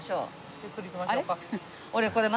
ゆっくり行きましょうか。